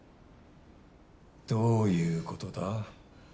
どういうことだ？